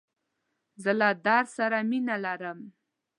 زه له درس سره مینه لرم.